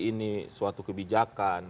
ini suatu kebijakan